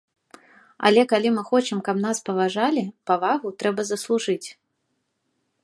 Але калі мы хочам, каб нас паважалі, павагу трэба заслужыць.